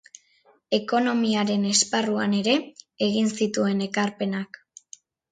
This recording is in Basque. Ekonomiaren esparruan ere egin zituen ekarpenak.